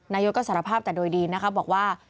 นายกก็สารภาพแต่โดยดีนะคะบอกว่า